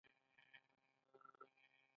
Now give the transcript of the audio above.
زما شاعري ډېره خوښه ده.